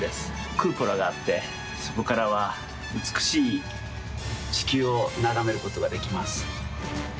クーポラがあってそこからはうつくしいちきゅうをながめることができます。